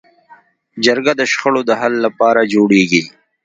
جرګه د شخړو د حل لپاره جوړېږي